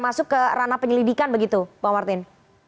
masuk ke ranah penyelidikan begitu bang martin